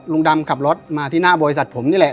ลุงดำขับรถมาที่หน้าบริษัทผมนี่แหละ